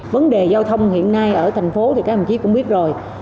vấn đề giao thông hiện nay ở thành phố thì các đồng chí cũng biết rồi